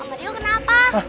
om mario bangun om